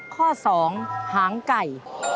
ข้อ๒หางไก่